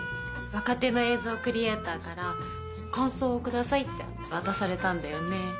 若手の映像クリエーターから感想をくださいって渡されたんだよね。